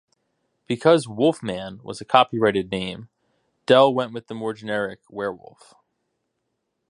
Because "Wolfman" was a copyrighted name, Dell went with the more generic "Werewolf".